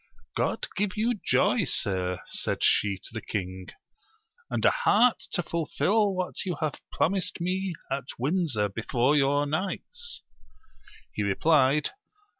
God give you joy, sir, said she to the king, and a heart to fulfil what you promised me at Windsor be fore your knights ! He replied.